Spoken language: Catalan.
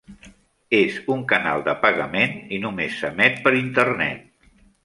És un canal de pagament i només s'emet per Internet.